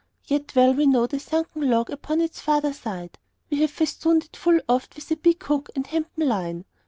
Yet well we know the sunken log upon its farther side. We have festooned it full oft with a big hook and hempen line.